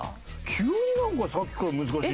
急になんかさっきから難しいんだよな。